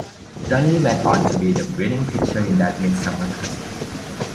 Donnelly went on to be the winning pitcher in that mid-summer classic.